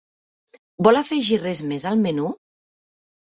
Vol afegir res més al menú?